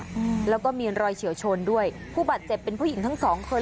อืมแล้วก็มีรอยเฉียวชนด้วยผู้บาดเจ็บเป็นผู้หญิงทั้งสองคน